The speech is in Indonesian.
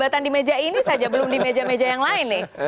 buatan di meja ini saja belum di meja meja yang lain nih